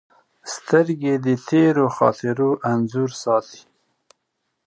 سترګې د تېرو خاطرو انځور ساتي